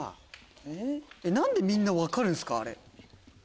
何でみんな分かるんすか？